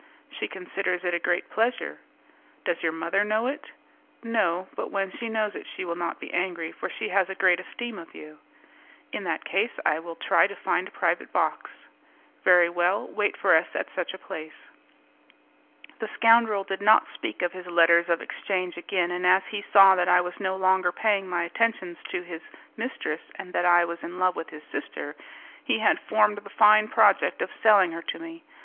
"She considers it a great pleasure." "Does your mother know it?" "No; but when she knows it she will not be angry, for she has a great esteem for you." "In that case I will try to find a private box." "Very well; wait for us at such a place." The scoundrel did not speak of his letters of exchange again, and as he saw that I was no longer paying my attentions to his mistress, and that I was in love with his sister, he had formed the fine project of selling her to me.